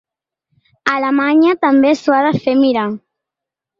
Alemanya també s’ho ha de fer mirar.